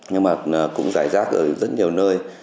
nhưng mà cũng giải rác ở rất nhiều nơi